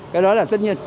cái đó là tất nhiên